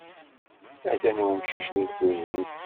Atan umcic deg tkuzint.